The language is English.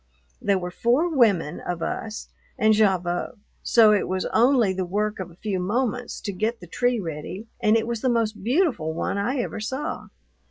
There were four women of us, and Gavotte, so it was only the work of a few moments to get the tree ready, and it was the most beautiful one I ever saw.